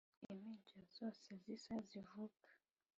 impinja zose zisa zivuka,